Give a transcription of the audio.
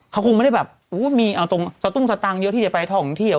เขาคงไม่ได้แบบมีเอาตรงสตุ้งสตางค์เยอะที่จะไปท่องเที่ยว